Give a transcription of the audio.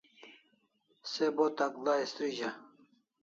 Se bo takla istrizah